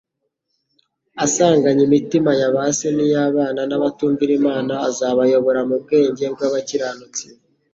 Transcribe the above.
asanganye imitima ya ba se n'iy'abana , n'abatumvira Imana azabayobora mu bwenge bw'abakiranutsi